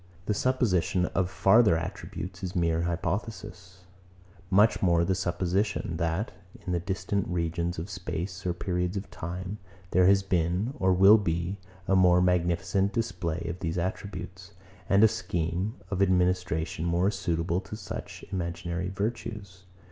The supposition of farther attributes is mere hypothesis; much more the supposition, that, in distant regions of space or periods of time, there has been, or will be, a more magnificent display of these attributes, and a scheme of administration more suitable to such imaginary virtues.